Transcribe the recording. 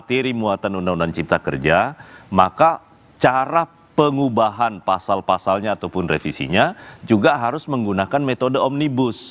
dari muatan undang undang cipta kerja maka cara pengubahan pasal pasalnya ataupun revisinya juga harus menggunakan metode omnibus